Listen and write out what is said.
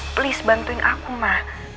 please bantuin aku ma